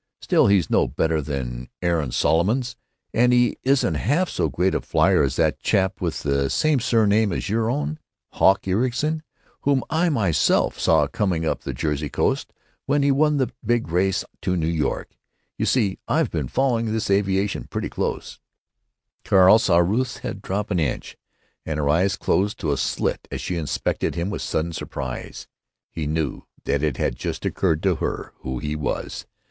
"Still, he's no better than Aaron Solomons, and he isn't half so great a flier as that chap with the same surname as your own, Hawk Ericson, whom I myself saw coming up the Jersey coast when he won that big race to New York.... You see, I've been following this aviation pretty closely." Carl saw Ruth's head drop an inch, and her eyes close to a slit as she inspected him with sudden surprise. He knew that it had just occurred to her who he was.